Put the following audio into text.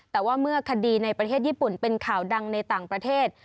แต่ว่าเมื่อคดีในประเทศญี่ปุ่นเป็นข่าวดังในต่างประเทศ